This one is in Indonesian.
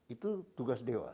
itu tugas dewa